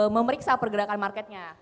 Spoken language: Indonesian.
memeriksa pergerakan marketnya